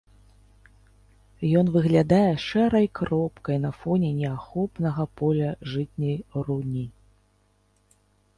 Ён выглядае шэрай кропкай на фоне неахопнага поля жытняй руні.